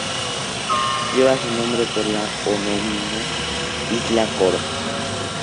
Lleva su nombre por la homónima isla Koro.